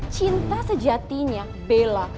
cinta sejatinya bella